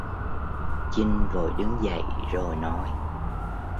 Chinh vội đứng dậy rồi nói